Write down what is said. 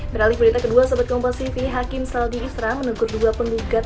beralih berita kedua sobat kompastv hakim saldi isra menegur dua pendugat